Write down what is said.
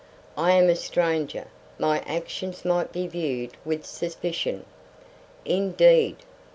I am a stranger. My actions might be viewed with suspicion." "Indeed!